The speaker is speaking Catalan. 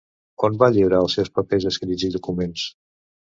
On va lliurar els seus papers escrits i documents?